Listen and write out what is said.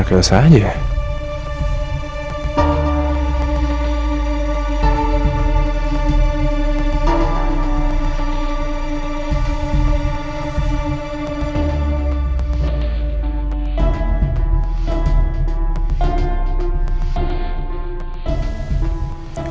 apa yang elsa tanya ke elsa